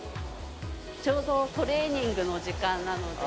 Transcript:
ちょうどトレーニングの時間なので。